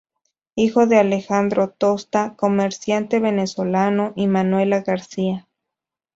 Hijo de Alejandro Tosta, comerciante venezolano, y Manuela García.